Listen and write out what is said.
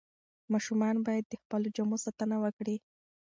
ماشومان باید د خپلو جامو ساتنه وکړي.